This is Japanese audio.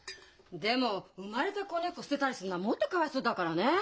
でも生まれた子猫を捨てたりするのはもっとかわいそうだからね。